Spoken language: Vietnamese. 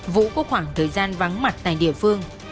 vũ có khoảng thời gian vắng mặt tại địa phương